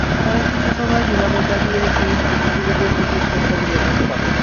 তাঁরা কিছু সময় নীরবে দাঁড়িয়ে শহীদ বুদ্ধিজীবীদের প্রতি শ্রদ্ধা নিবেদন করেন।